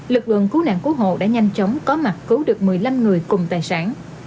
lực lượng cứu nạn cứu hộ đã nhanh chóng có mặt cứu được một mươi năm người cùng tài sản